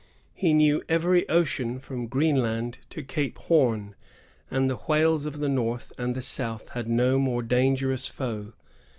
He knew every ocean from Green land to Cape Horn, and the whales of the north and of the south had no more dangerous foe.